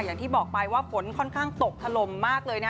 อย่างที่บอกไปว่าฝนค่อนข้างตกถล่มมากเลยนะ